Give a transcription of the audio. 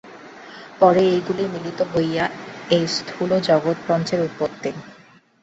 পরে এইগুলি মিলিত হইয়া এই স্থূল জগৎপ্রপঞ্চের উৎপত্তি।